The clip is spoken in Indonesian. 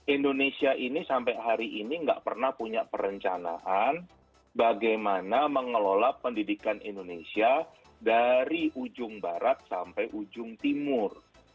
indonesia ini sampai hari ini nggak pernah punya perencanaan bagaimana mengelola pendidikan indonesia dari ujung barat sampai ujung timur